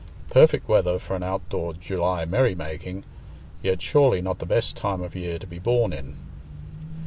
Perfect weather for an outdoor July merry making, yet surely not the best time of year to be born in.